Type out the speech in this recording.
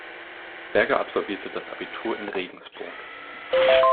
Berger absolvierte das Abitur in Regensburg.